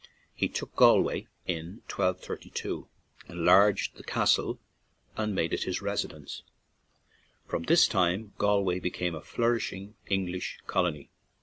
He took Galway in 1232, enlarged the castle, and made it his residence. From this time Galway became a flourishing Eng lish colony.